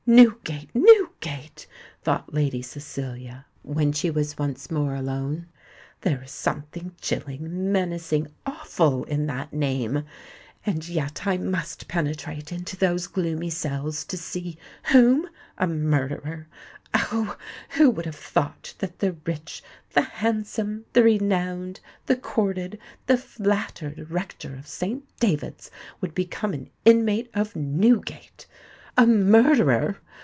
"Newgate, Newgate!" thought Lady Cecilia, when she was once more alone: "there is something chilling—menacing—awful in that name! And yet I must penetrate into those gloomy cells to see—whom? A murderer! Oh! who would have thought that the rich, the handsome, the renowned, the courted, the flattered rector of St. David's would become an inmate of Newgate? A murderer!